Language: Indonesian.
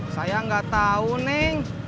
saya gak tahu neng